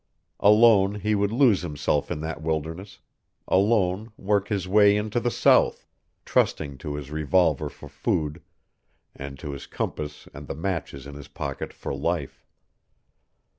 Alone he would lose himself in that wilderness, alone work his way into the South, trusting to his revolver for food, and to his compass and the matches in his pocket for life.